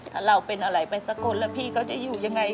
ถ้าเราเป็นอะไรไปสักคนแล้วพี่เขาจะอยู่ยังไง